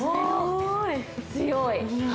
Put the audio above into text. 強い！